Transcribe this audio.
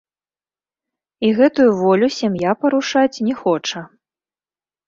І гэтую волю сям'я парушаць не хоча.